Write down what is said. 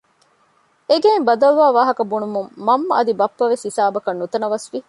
އެގެއިން ބަދަލުވާ ވާހަކަ ބުނުމުން މަންމަ އަދި ބައްޕަވެސް ހިސާބަކަށް ނުތަނަވަސްވި